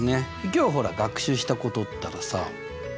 今日ほら学習したことったらさ